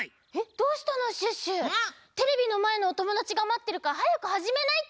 テレビのまえのおともだちがまってるからはやくはじめないと！